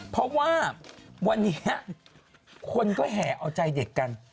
เพราะว่าวันนี้คนก็แห่เอาใจเด็กกัน